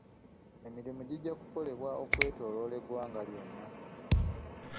Emirimu gijja kukolebwa okwetooloola eggwanga lyonna.